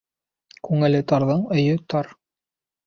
Күңеле тарҙың өйө тар.